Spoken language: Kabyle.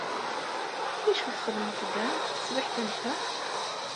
D acu txeddmeḍ da deg teswiɛt am ta?